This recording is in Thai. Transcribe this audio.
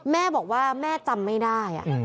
แม่บอกว่าแม่จำไม่ได้